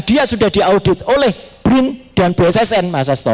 dia sudah diaudit oleh brin dan bssn